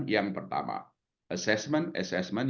yang pertama assessment assessment